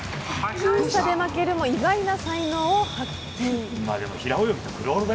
僅差で負けるも意外な才能を発揮。